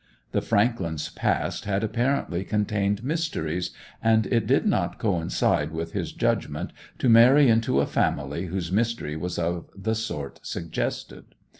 The Franklands' past had apparently contained mysteries, and it did not coincide with his judgment to marry into a family whose mystery was of the sort suggested.